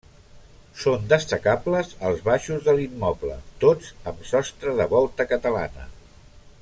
Són destacables els baixos de l'immoble, tots amb sostre de volta catalana.